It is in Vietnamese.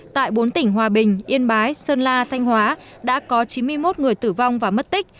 tại bốn tỉnh hòa bình yên bái sơn la thanh hóa đã có chín mươi một người tử vong và mất tích